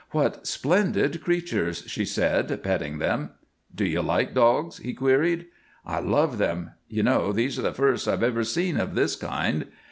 "What splendid creatures!" she said, petting them. "Do you like dogs?" he queried. "I love them. You know, these are the first I have ever seen of this kind."